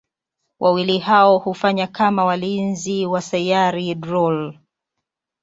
Wawili hao hufanya kama walinzi wa Sayari Drool.